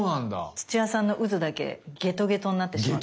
土屋さんのうずだけゲトゲトになってしまいます。